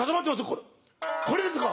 これこれですか？」。